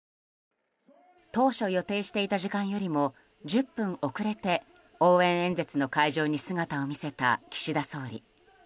当初予定していた時間よりも１０分遅れて応援演説の会場に姿を見せた岸田総理。